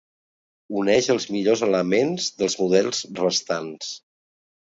Uneix els millors elements dels models restants.